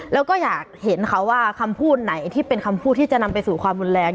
แล้วก็อยากเห็นเขาว่าคำพูดไหนที่เป็นคำพูดที่จะนำไปสู่ความรุนแรง